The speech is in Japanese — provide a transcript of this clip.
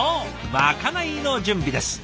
まかないの準備です。